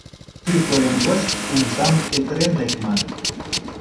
Ты корем гоч умшам петырен лекман.